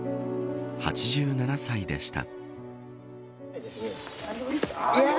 ８７歳でした。